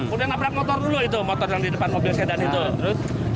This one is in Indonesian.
udah nabrak motor dulu itu motor yang di depan mobil sedan itu